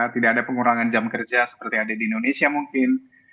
tidak ada pengurangan jam kerja seperti ada di indonesia mungkin